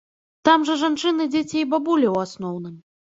Там жа жанчыны, дзеці і бабулі ў асноўным.